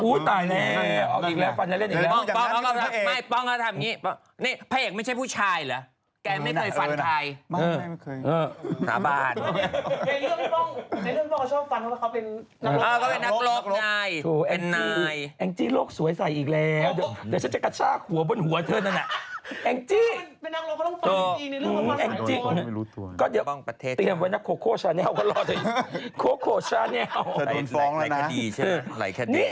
อุ๊ยตายแล้วฟันจะเล่นอีกแล้ว